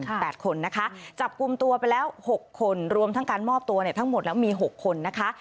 แปดคนนะคะจับกลุ่มตัวไปแล้วหกคนรวมทั้งการมอบตัวเนี่ยทั้งหมดแล้วมีหกคนนะคะ